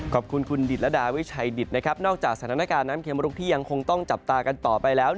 ขอบคุณคุณดิตรดาวิชัยดิตนะครับนอกจากสถานการณ์น้ำเข็มลุกที่ยังคงต้องจับตากันต่อไปแล้ว